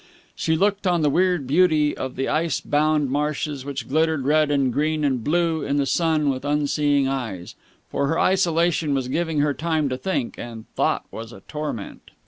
She looked on the weird beauty of the ice bound marshes which glittered red and green and blue in the sun with unseeing eyes; for her isolation was giving her time to think, and thought was a torment.